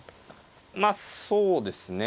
まあそうですね。